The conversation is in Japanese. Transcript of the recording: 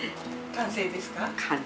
完成です。